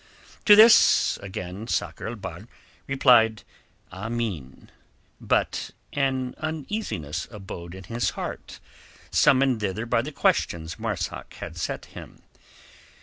To this again Sakr el Bahr replied "Ameen," but an uneasiness abode in his heart summoned thither by the questions Marzak had set him.